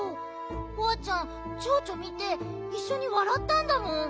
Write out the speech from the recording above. ホワちゃんちょうちょみていっしょにわらったんだもん。